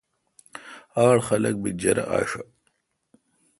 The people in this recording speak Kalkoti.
آڈ خلق بی جرہ آشہ۔